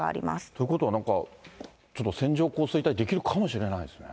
ということは、なんか、ちょっと線状降水帯、出来るかもしれないですね。